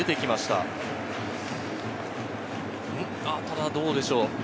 ただどうでしょう？